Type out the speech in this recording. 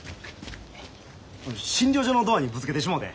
診療所のドアにぶつけてしもて。